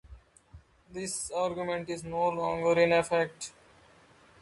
This agreement is no longer in effect.